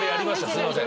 すいません。